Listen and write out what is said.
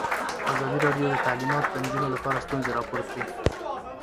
ازادي راډیو د تعلیمات د نجونو لپاره ستونزې راپور کړي.